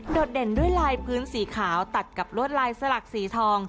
ดเด่นด้วยลายพื้นสีขาวตัดกับลวดลายสลักสีทอง